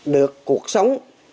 được cuộc sống